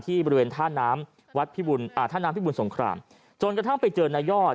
ที่บริเวณท่าน้ำพิบุญสงครามจนกระทั่งไปเจอนายอด